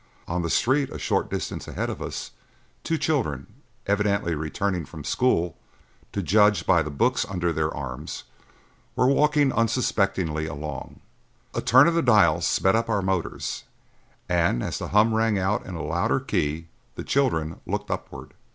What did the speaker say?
On the street a short distance ahead of us two children, evidently returning from school, to judge by the books under their arms, were walking unsuspectingly along. A turn of the dial sped up our motors, and as the hum rang out in a louder key the children looked upward.